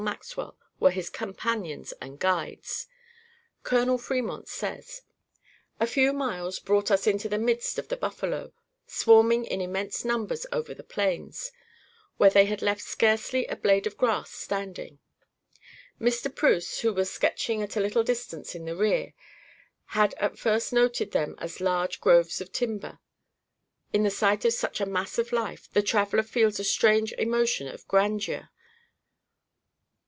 Maxwell were his companions and guides. Col. Fremont says: "A few miles brought us into the midst of the buffalo, swarming in immense numbers over the plains, where they had left scarcely a blade of grass standing. Mr. Preuss, who was sketching at a little distance in the rear, had at first noted them as large groves of timber. In the sight of such a mass of life, the traveler feels a strange emotion of grandeur.